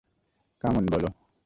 কাম on বলো।